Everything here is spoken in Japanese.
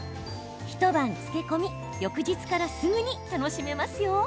一晩漬け込み翌日からすぐに楽しめますよ。